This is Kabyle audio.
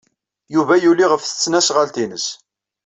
Yuba yuli ɣef tesnasɣalt-nnes.